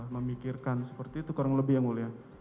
memikirkan seperti itu kurang lebih yang mulia